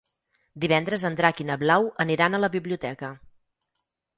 Divendres en Drac i na Blau aniran a la biblioteca.